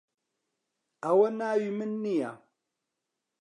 ئەوە ناوی من نییە.